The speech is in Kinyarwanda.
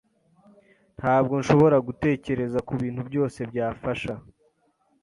Ntabwo nshobora gutekereza kubintu byose byafasha.